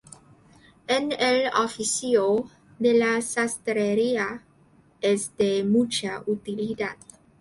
En el oficio de la sastrería es de mucha utilidad.